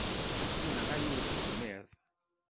Yenɣa-iyi usemmiḍ.